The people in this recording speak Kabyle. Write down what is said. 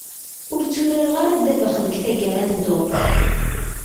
Ur tturareɣ ara ddabex deg taggara n ddurt.